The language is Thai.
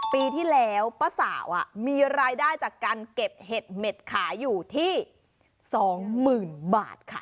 ปีที่แล้วป้าสาวมีรายได้จากการเก็บเห็ดเหม็ดขายอยู่ที่๒๐๐๐บาทค่ะ